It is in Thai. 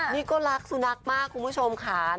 นี่ก็รักสุนัขมากคุณผู้ชมค่ะ